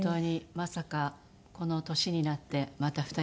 まさかこの年になってまた２人で。